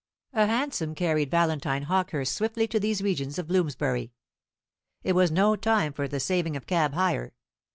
A hansom carried Valentine Hawkehurst swiftly to these regions of Bloomsbury. It was no time for the saving of cab hire.